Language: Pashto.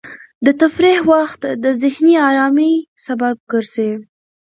د تفریح وخت د ذهني ارامۍ سبب ګرځي.